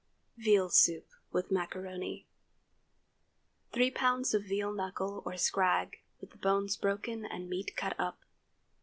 VEAL SOUP WITH MACARONI. ✠ 3 lbs. of veal knuckle or scrag, with the bones broken and meat cut up.